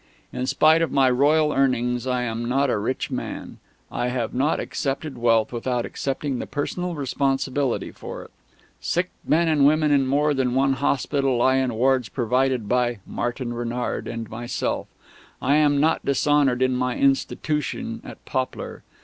In spite of my royal earnings, I am not a rich man. I have not accepted wealth without accepting the personal responsibility for it. Sick men and women in more than one hospital lie in wards provided by Martin Renard and myself; and I am not dishonoured in my Institution at Poplar.